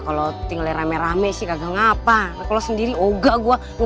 kalau tinggal rame rame sih gagal ngapa kalau sendiri oh enggak gue